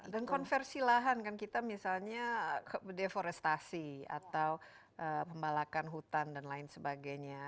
dan konversi lahan kan kita misalnya deforestasi atau pembalakan hutan dan lain sebagainya